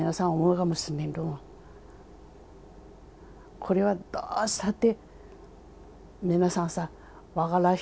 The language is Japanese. これはどうしたって。